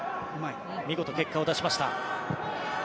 見事、結果を出しました。